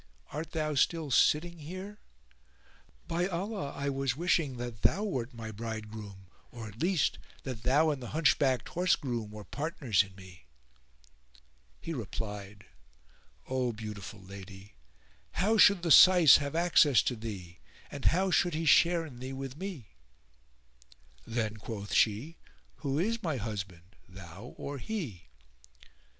Art thou still sitting here? By Allah I was wishing that thou wert my bridegroom or, at least, that thou and the hunchbacked horse groom were partners in me." He replied, "O beautiful lady, how should the Syce have access to thee, and how should he share in thee with me?" "Then," quoth she, "who is my husband, thou or he?"